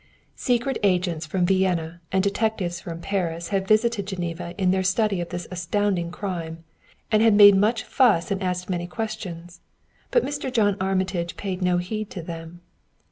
Secret agents from Vienna and detectives from Paris had visited Geneva in their study of this astounding crime, and had made much fuss and asked many questions; but Mr. John Armitage paid no heed to them.